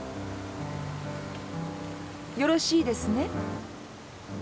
よろしいですね？